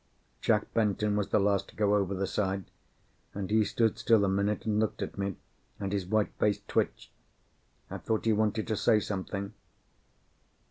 Jack Benton was the last to go over the side, and he stood still a minute and looked at me, and his white face twitched. I thought he wanted to say something.